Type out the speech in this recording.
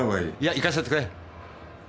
行かせてくれ。